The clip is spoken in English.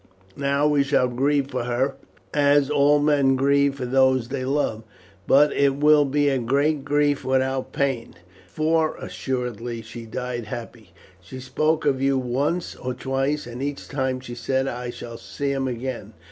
Now we shall grieve for her as all men grieve for those they love; but it will be a grief without pain, for assuredly she died happy. She spoke of you once or twice, and each time she said, 'I shall see him again.'